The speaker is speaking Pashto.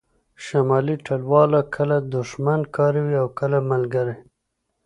شمالي ټلواله کله دوښمن کاروي او کله ملګری